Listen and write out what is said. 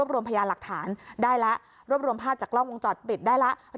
รวมพยานหลักฐานได้แล้วรวบรวมภาพจากกล้องวงจรปิดได้แล้ว